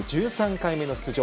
１３回目の出場。